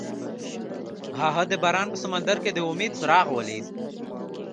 هغه د باران په سمندر کې د امید څراغ ولید.